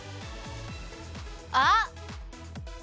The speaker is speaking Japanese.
あっ！